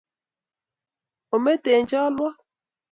ometen chalwok